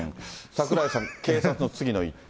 櫻井さん、警察の次の一手。